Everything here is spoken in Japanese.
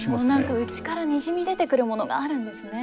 何か内からにじみ出てくるものがあるんですね。